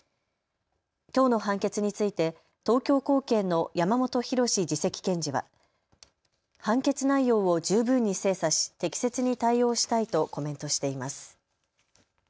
きょうの判決について東京高検の山元裕史次席検事は判決内容を十分に精査し適切に対応したいとコメントしています。